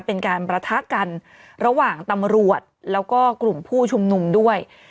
เป็นการประทะกันระหว่างตำรวจแล้วก็กลุ่มผู้ชุมนุมด้วย